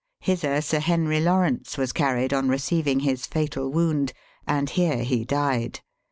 Hither Sir Henry Lawrence was carried on receiving his fatal wound, and here he died.